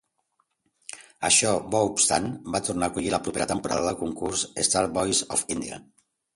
Això bo obstant, va tornar a acollir la propera temporada del concurs "Star Voice of India".